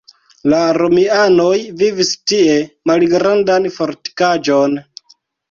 La romianoj havis tie malgrandan fortikaĵon.